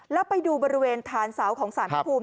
แล้วไปดูบริเวณฐานเสาของสารพระภูมิ